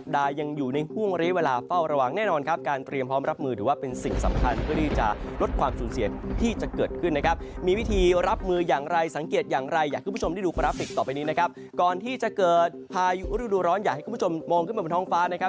พายุอุธิรวรรณอยากให้คุณผู้ชมมองขึ้นไปบนท้องฟ้า